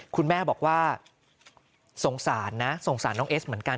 คุณแม่บอกว่าสงสารนะสงสารน้องเอสเหมือนกัน